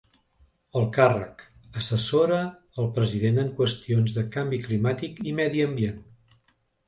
El càrrec: assessora el president en qüestions de canvi climàtic i medi ambient.